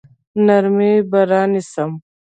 نرمي به رانیسم.